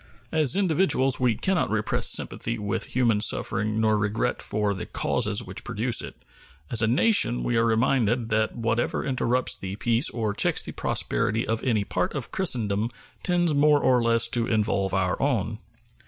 As individuals we can not repress sympathy with human suffering nor regret for the causes which produce it; as a nation we are reminded that whatever interrupts the peace or checks the prosperity of any part of Christendom tends more or less to involve our own.